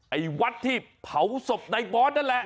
ไอ้วัดที่เผาศพในบอสนั่นแหละ